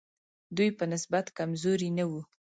دوی په نسبت کمزوري نه وو.